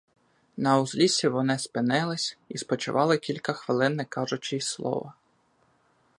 На узліссі вони спинились і спочивали кілька хвилин, не кажучи й слова.